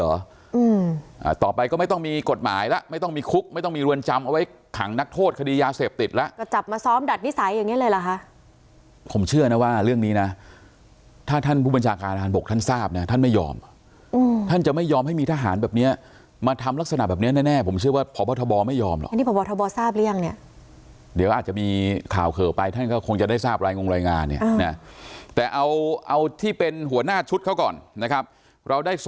อืมอ่าต่อไปก็ไม่ต้องมีกฎหมายละไม่ต้องมีคุกไม่ต้องมีรวนจำเอาไว้ขังนักโทษคดียาเสพติดละก็จับมาซ้อมดัดนิสัยอย่างเงี้ยเลยล่ะค่ะผมเชื่อนะว่าเรื่องนี้น่ะถ้าท่านผู้บัญชาการอาหารบกท่านทราบเนี้ยท่านไม่ยอมอืมท่านจะไม่ยอมให้มีทหารแบบเนี้ยมาทำรักษณะแบบเนี้ยแน่ผมเชื่อว่า